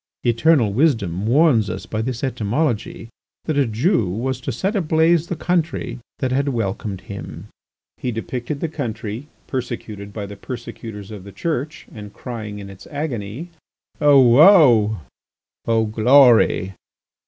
Eternal wisdom warns us by this etymology that a Jew was to set ablaze the country that had welcomed him." He depicted the country, persecuted by the persecutors of the Church, and crying in its agony: "O woe! O glory!